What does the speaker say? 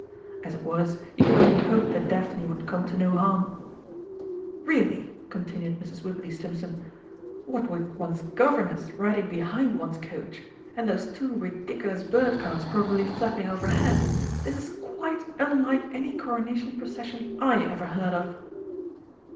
As it was, he could only hope that Daphne would come to no harm. "Really!" continued Mrs. Wibberley Stimpson, "what with one's governess riding behind one's coach, and those two ridiculous bird cars probably flapping overhead, this is quite unlike any Coronation Procession I ever heard of!"